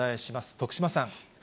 徳島さん。